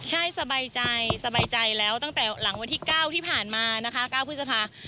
ใช่สบายใจสบายใจแล้วตั้งแต่หลังวันที่๙ที่ผ่านมานะคะ๙พฤษภา